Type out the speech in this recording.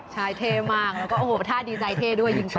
ชายเท่มากแล้วก็โอโหแค่ท่านดีใจเท่ต้อยิงตี